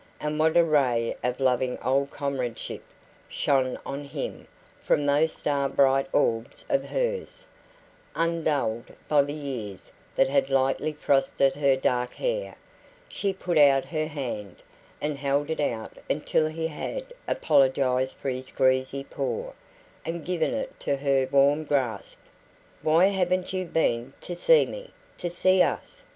And what a ray of loving old comradeship shone on him from those star bright orbs of hers, undulled by the years that had lightly frosted her dark hair. She put out her hand, and held it out until he had apologised for his greasy paw, and given it to her warm grasp. "Why haven't you been to see me to see us?"